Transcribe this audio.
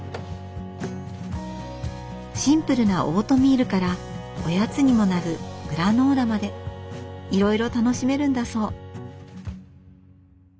シンプルなオートミールからおやつにもなるグラノーラまでいろいろ楽しめるんだそう。